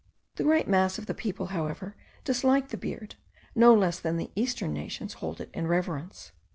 The great mass of the people, however, dislike the beard, no less than the Eastern nations hold it in reverence.